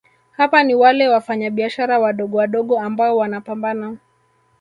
hapa ni wale Wafanyabiashara wadogowadogo ambao wanapambana